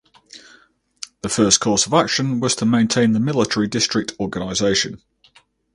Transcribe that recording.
The first course of action was to maintain the military district organization.